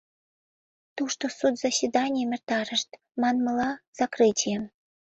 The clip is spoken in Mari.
Тушто суд заседанийым эртарышт, манмыла, закрытыйым.